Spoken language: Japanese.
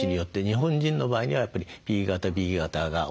日本人の場合にはやっぱりＰ型Ｂ型が多い。